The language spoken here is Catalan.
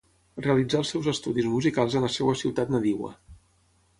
Realitzà els seus estudis musicals en la seva ciutat nadiua.